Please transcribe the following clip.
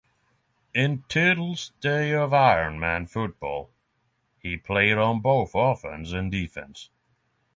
In Tittle's day of iron man football, he played on both offense and defense.